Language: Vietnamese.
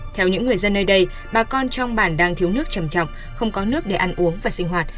theo những người dân nơi đây bà con trong bản đang thiếu nước trầm trọng không có nước để ăn uống và sinh hoạt